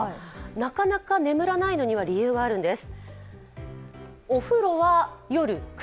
なかなか眠らないのには理由があるんです。